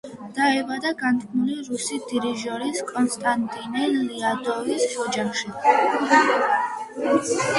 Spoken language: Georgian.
დაიბადა განთქმული რუსი დირიჟორის კონსტანტინე ლიადოვის ოჯახში.